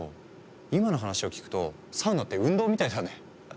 今の話を聞くとサウナって運動みたいだね。